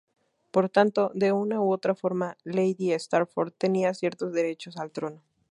Por tanto, de una u otra forma, Lady Stafford tenía ciertos derechos al trono.